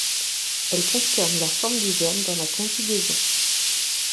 Elle concerne la forme du verbe dans la conjugaison.